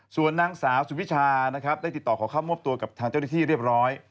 ส่วนนางสาวสุวิชานะครับได้ติดต่อขอเข้ามอบตัวกับทางเจ้าหน้าที่เรียบร้อย